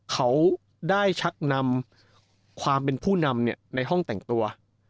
เขาได้ชักนำความเป็นผู้นำในห้องแต่งตัว